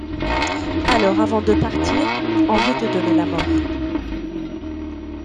Alors avant de partir, on veut te donner la mort.